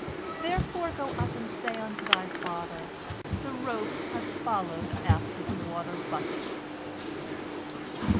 Therefore, go up and say unto thy father, The rope hath followed after the water bucket."